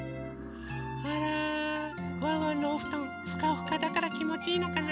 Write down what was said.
あらワンワンのおふとんふかふかだからきもちいいのかな？